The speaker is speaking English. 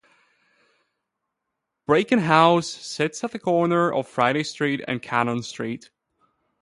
Bracken House sits at the corner of Friday Street and Cannon Street.